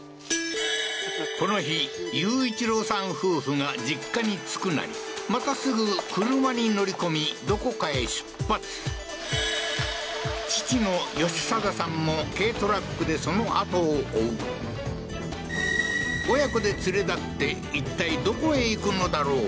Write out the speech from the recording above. この日優一郎さん夫婦が実家に着くなりまたすぐ車に乗り込みどこかへ出発父の義定さんも軽トラックでその後を追う親子で連れだっていったいどこへ行くのだろう？